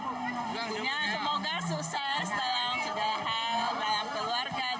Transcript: punya semoga sukses dalam segala hal